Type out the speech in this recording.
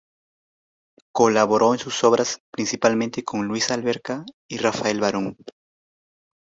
Colaboró en sus obras principalmente con Luisa Alberca y Rafael Barón.